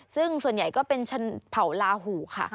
ซึ่งส่วนใหญ่ก็เป็นชนเผาลาหูค่ะ